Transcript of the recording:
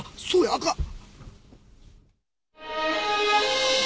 あかん！